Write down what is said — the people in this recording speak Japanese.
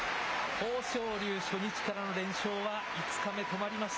豊昇龍、初日からの連勝は５日目、止まりました。